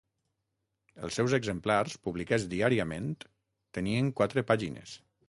Els seus exemplars, publicats diàriament, tenien quatre pàgines.